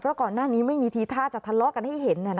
เพราะก่อนหน้านี้ไม่มีทีท่าจะทะเลาะกันให้เห็น